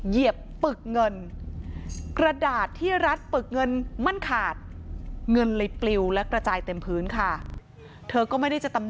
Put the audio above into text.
เหยียบปลึกเงินกระดาษที่รัฐปลึกเงินมันขาด